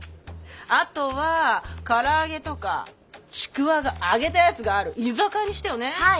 あとは唐揚げとかちくわが揚げたやつがある居酒屋にしてよね。